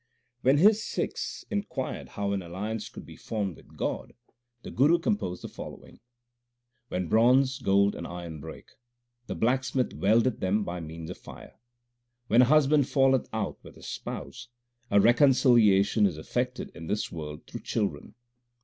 When his Sikhs inquired how an alliance could be formed with God the Guru composed the fol lowing : When bronze, gold, and iron break, The blacksmith weldeth them by means of fire. When a husband falleth out with his spouse, A reconciliation is effected in this world through children.